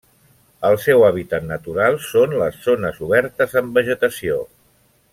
El seu hàbitat natural són les zones obertes amb vegetació.